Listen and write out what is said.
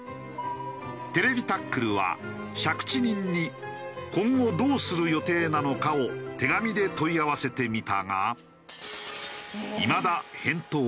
『ＴＶタックル』は借地人に今後どうする予定なのかを手紙で問い合わせてみたが。